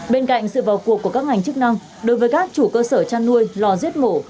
bên cạnh sự vào cuộc của các ngành chức năng đối với các chủ cơ sở chăn nuôi lò giết mổ